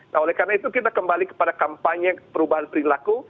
nah oleh karena itu kita kembali kepada kampanye perubahan perilaku